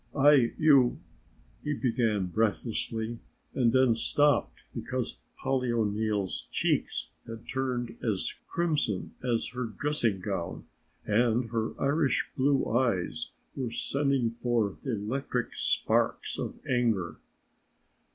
"I you," he began breathlessly and then stopped because Polly O'Neill's cheeks had turned as crimson as her dressing gown and her Irish blue eyes were sending forth electric sparks of anger.